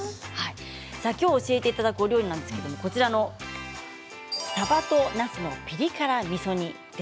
今日、教えていただくお料理は、こちらのさばとなすのピリ辛みそ煮。